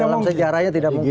dalam sejarahnya tidak mungkin